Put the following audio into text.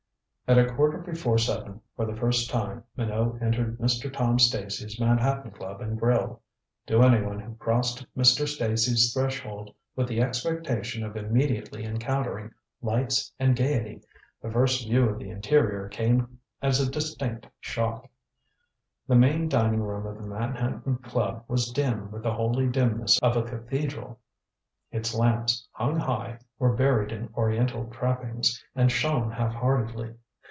At a quarter before seven, for the first time, Minot entered Mr. Tom Stacy's Manhattan Club and Grill. To any one who crossed Mr. Stacy's threshold with the expectation of immediately encountering lights and gaiety, the first view of the interior came as a distinct shock. The main dining room of the Manhattan Club was dim with the holy dimness of a cathedral. Its lamps, hung high, were buried in oriental trappings, and shone half heartedly.